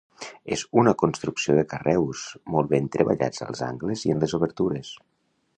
És una construcció de carreus, molt ben treballats als angles i en les obertures.